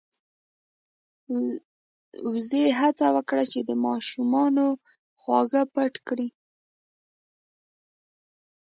وزې هڅه وکړه چې د ماشومانو خواږه پټ کړي.